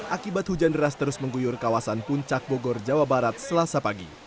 akibat hujan deras terus mengguyur kawasan puncak bogor jawa barat selasa pagi